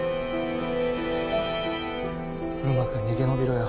うまく逃げ延びろよ。